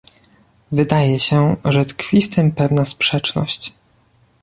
Wydaje się, że tkwi w tym pewna sprzeczność